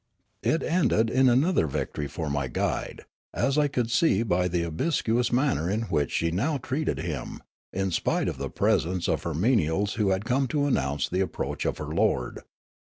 It ended in another victory for my guide, as I could see by the obsequious manner in which she now treated him, in spite of the presence of her menials who had come to announce the approach of her lord.